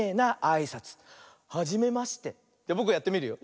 じゃぼくがやってみるよ。